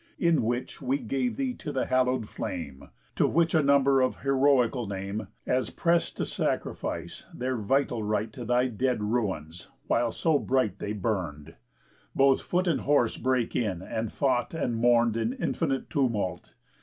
In which we gave thee to the hallow'd flame; To which a number of heroical name, As prest to sacrifice their vital right To thy dead ruins while so bright they burn'd. Both foot and horse brake in, and fought and mourn'd In infinite tumult.